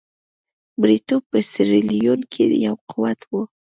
مریتوب په سیریلیون کې یو قوت وو.